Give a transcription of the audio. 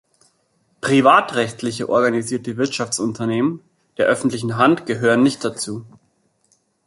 Privatrechtliche organisierte Wirtschaftsunternehmen der öffentlichen Hand gehören nicht dazu.